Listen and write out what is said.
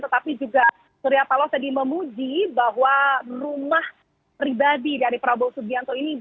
tetapi juga suryapalo sedih memuji bahwa rumah pribadi dari prabowo subianto ini